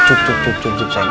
cukup cukup cukup cukup sayang